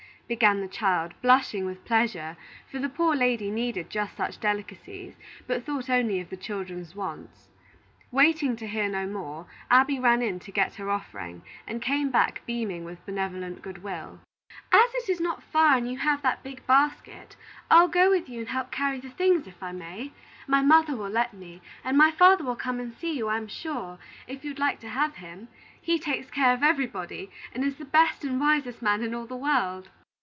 began the child, blushing with pleasure; for the poor lady needed just such delicacies, but thought only of the children's wants. Waiting to hear no more, Abby ran in to get her offering, and came back beaming with benevolent good will. "As it is not far and you have that big basket, I'll go with you and help carry the things, if I may? My mother will let me, and my father will come and see you, I'm sure, if you'd like to have him. He takes care of everybody, and is the best and wisest man in all the world."